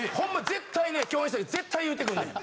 絶対ね共演した時絶対言うてくんねん。